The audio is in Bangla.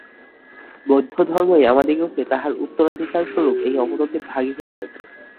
বৌদ্ধধর্মই আমাদিগকে তাহার উত্তরাধিকারস্বরূপ এই অবনতির ভাগী করিয়াছে।